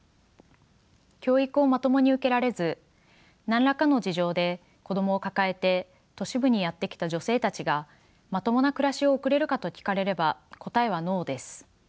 教育をまともに受けられず何らかの事情で子供を抱えて都市部にやって来た女性たちがまともな暮らしを送れるかと聞かれれば答えはノーです。